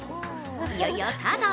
いよいよスタート。